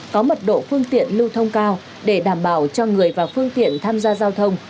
có mật độ phương tiện lưu thông cao để đảm bảo cho người và phương tiện tham gia giao thông